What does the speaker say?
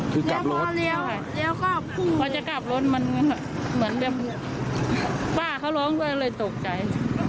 บ้าเขาร้องเลยเลยตกใจ